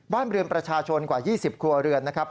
บ้านเรือนประชาชนกว่า๒๐ครัวเรือนนะครับ